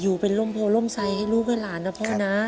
อยู่เป็นโร่โทไทยให้ลูกและหลานนะพ่อน้า